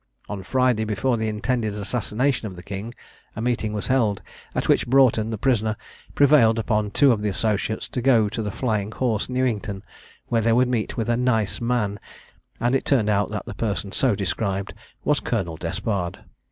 On the Friday before the intended assassination of the King, a meeting was held, at which Broughton, the prisoner, prevailed upon two of the associates to go to the Flying Horse, Newington, where they would meet with a "nice man," and it turned out that the person so described was Colonel Despard.